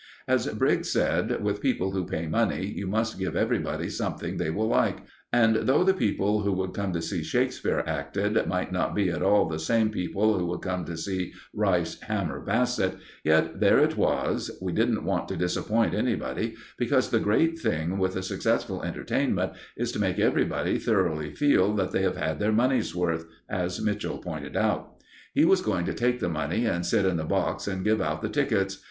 As Briggs said, with people who pay money, you must give everybody something they will like; and though the people who would come to see Shakespeare acted might not be at all the same people who would come to see Rice hammer Bassett, yet there it was we didn't want to disappoint anybody, because the great thing with a successful entertainment is to make everybody thoroughly feel that they have had their money's worth, as Mitchell pointed out. He was going to take the money, and sit in the box and give out the tickets.